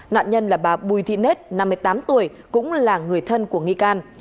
nạn nhân là bà bùi thị nết năm mươi tám tuổi cũng là người thân của nghi can